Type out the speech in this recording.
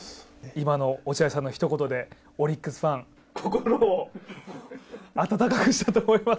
今の落合さんの一言でオリックスファン、心を温かくしたと思います。